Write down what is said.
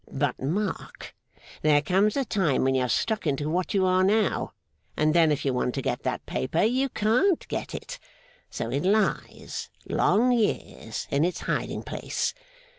But, mark. There comes a time when you are struck into what you are now, and then if you want to get that paper, you can't get it. So it lies, long years, in its hiding place.